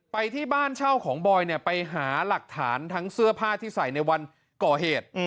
ไปที่บ้านเช่าของบอยเนี่ยไปหาหลักฐานทั้งเสื้อผ้าที่ใส่ในวันก่อเหตุ